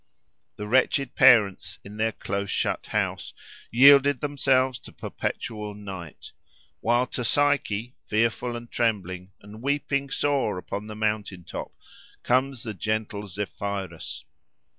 The wretched parents, in their close shut house, yielded themselves to perpetual night; while to Psyche, fearful and trembling and weeping sore upon the mountain top, comes the gentle Zephyrus.